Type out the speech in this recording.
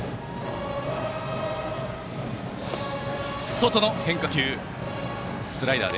外の変化球、スライダー。